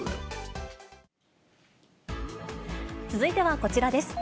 続いてはこちらです。